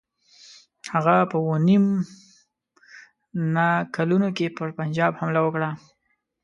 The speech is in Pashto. هغه په اووه نیم نه کلونو کې پر پنجاب حمله وکړه.